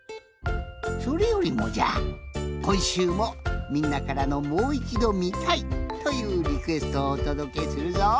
それよりもじゃこんしゅうもみんなからの「もういちどみたい」というリクエストをおとどけするぞ。